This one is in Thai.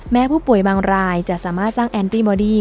ผู้ป่วยบางรายจะสามารถสร้างแอนตี้มอดี้